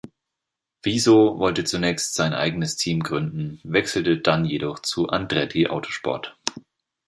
Viso wollte zunächst sein eigenes Team gründen, wechselte dann jedoch zu Andretti Autosport.